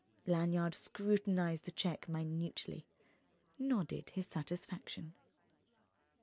Lanyard scrutinized the cheque minutely, nodded his satisfaction.